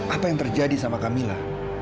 apa yang terjadi sama kamila